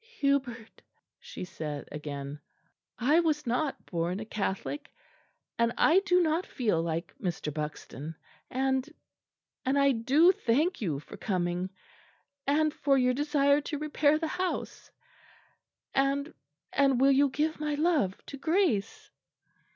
"Hubert," she said again, "I was not born a Catholic, and I do not feel like Mr. Buxton. And and I do thank you for coming; and for your desire to repair the house; and and will you give my love to Grace?"